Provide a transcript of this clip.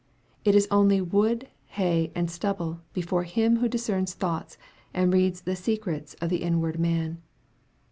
It is only wood, hay, and stubble before Him who dis cerns thoughts, and reads the secrets of the inward man.